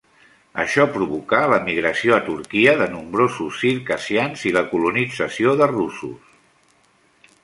Això provocà l'emigració a Turquia de nombrosos circassians i la colonització de russos.